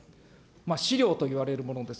飼料といわれるものです。